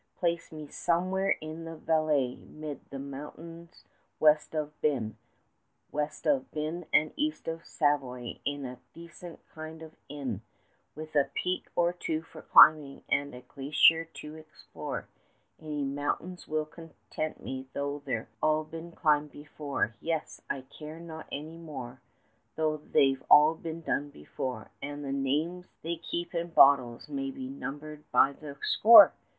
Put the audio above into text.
35 Place me somewhere in the Valais, 'mid the mountains west of Binn, West of Binn and east of Savoy, in a decent kind of inn, With a peak or two for climbing, and a glacier to explore, Any mountains will content me, though they've all been climbed before Yes! I care not any more 40 Though they've all been done before, And the names they keep in bottles may be numbered by the score!